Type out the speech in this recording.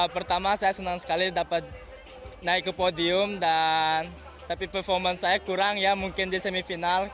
pertama saya senang sekali dapat naik ke podium dan tapi performa saya kurang ya mungkin di semifinal